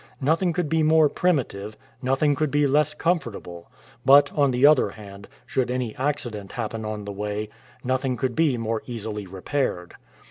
Nothing could be more primitive, nothing could be less comfortable; but, on the other hand, should any accident happen on the way, nothing could be more easily repaired.